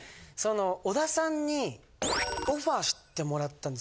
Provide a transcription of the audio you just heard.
小田さんにオファーしてもらったんですよ。